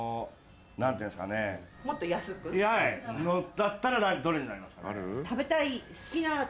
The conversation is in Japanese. だったらどれになりますかね？